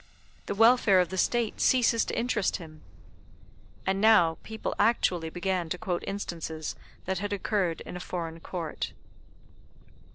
The welfare of the State ceases to interest him." And now people actually began to quote instances that had occurred in a foreign Court.